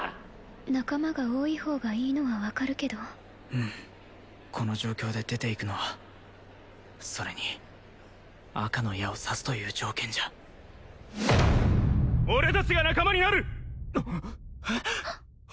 仲間が多い方がいいのは分かるけどうんこの状況で出て行くのはそれに赤の矢を刺すという条件じゃ俺達が仲間になるえっ！？